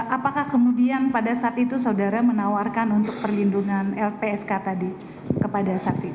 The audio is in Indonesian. apakah kemudian pada saat itu saudara menawarkan untuk perlindungan lpsk tadi kepada saksi